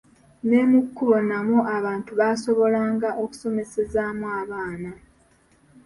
Ne mu kkubo namwo abantu baasobolanga okusomesezaamu abaana.